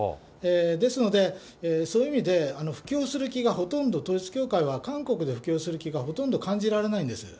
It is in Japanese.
ですのでそういう意味で、布教する気がほとんど統一教会は、韓国で布教する気がほとんど感じられないんです。